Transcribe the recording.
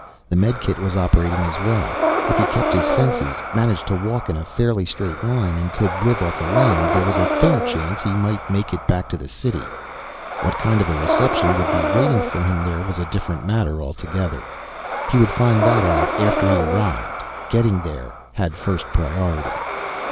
The medikit was operating as well. If he kept his senses, managed to walk in a fairly straight line and could live off the land, there was a fair chance he might make it back to the city. What kind of a reception would be waiting for him there was a different matter altogether. He would find that out after he arrived. Getting there had first priority.